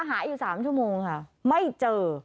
หาอยู่๓ชั่วโมงค่ะไม่เจอ